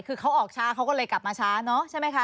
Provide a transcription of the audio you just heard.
คือเขาออกช้าเขาก็เลยกลับมาช้าเนอะใช่ไหมคะ